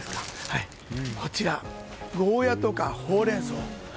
ゴーヤとかホウレンソウ。